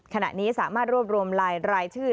ขณะนี้สามารถรวบรวมรายชื่อ